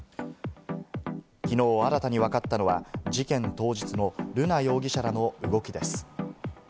きのう新たにわかったのは、事件当日の瑠奈容疑者らの動きです。